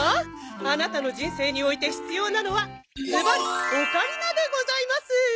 アナタの人生において必要なのはずばりオカリナでございます！へ？